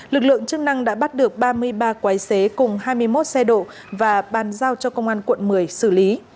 lực lượng chức năng đã bắt được ba mươi ba quái xế cùng hai mươi một xe độ và bàn giao cho công an quận một mươi xử lý